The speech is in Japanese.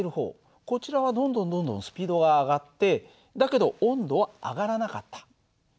こちらはどんどんどんどんスピードが上がってだけど温度は上がらなかった。